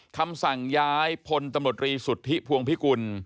คำสั่งย้ายพลตำรวจรีสุทธิพวงพิกุล